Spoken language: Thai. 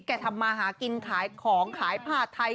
ทำมาหากินขายของขายผ้าไทย